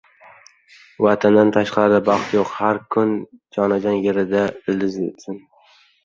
Vatandan tashqarida baxt yo‘q, har kim jonajon yerida ildiz otsin.